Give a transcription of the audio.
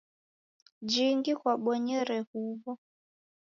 Jhingi kwabonyere huw'o?